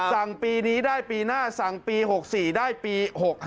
สั่งปีนี้ได้ปีหน้าสั่งปี๖๔ได้ปี๖๕